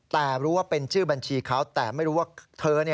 แต่รู้ว่าเป็นชื่อบัญชีเขาแต่ไม่รู้ว่าเธอ